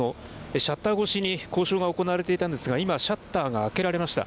シャッター越しに交渉が行われていたんですが今、シャッターが開けられました。